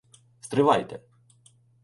Стривайте.